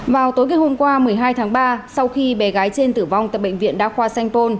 vào tối ngày hôm qua một mươi hai tháng ba sau khi bé gái trên tử vong tại bệnh viện đa khoa sanh pôn